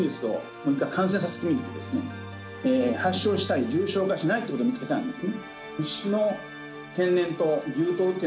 そうすると発症したり、重症化しないということを見つけたんですね。